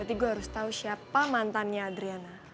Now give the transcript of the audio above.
berarti gue harus tahu siapa mantannya adriana